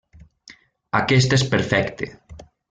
Aquest és perfecte.